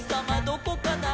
どこかな？」